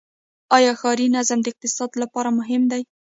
آیا ښاري نظم د اقتصاد لپاره مهم دی؟